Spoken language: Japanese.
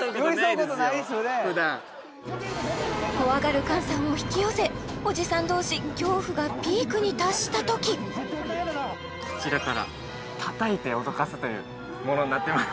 怖がる菅さんを引き寄せおじさん同士恐怖がピークに達したときこちらからたたいて脅かすというものになってます